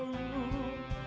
kusadari ku tak sempurna